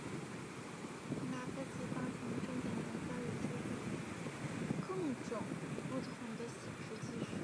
平达科技当前正在研发与制造更种不同的显示技术。